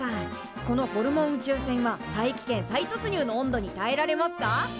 このホルモン宇宙船は大気圏再突入の温度にたえられますか？